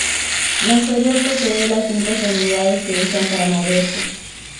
La inferior posee las cinco extremidades que usan para moverse.